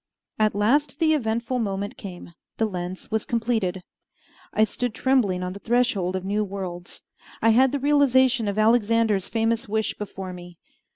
At last the eventful moment came; the lens was completed. I stood trembling on the threshold of new worlds. I had the realization of Alexander's famous wish before me.